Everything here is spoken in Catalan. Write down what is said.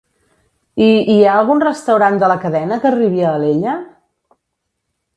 I hi ha algun restaurant de la cadena que arribi a Alella?